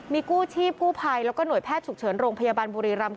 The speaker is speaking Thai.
มีกู้ชีพกู้ภัยแล้วก็หน่วยแพทย์ฉุกเฉินโรงพยาบาลบุรีรำ